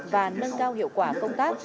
và nâng cao hiệu quả công tác